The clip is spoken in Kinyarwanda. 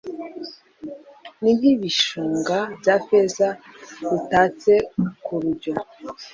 ni nk'ibishunga bya feza bitatse ku rujyo